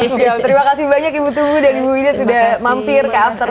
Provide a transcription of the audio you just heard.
terima kasih banyak ibu tunggu dan ibu wida sudah mampir ke after sepuluh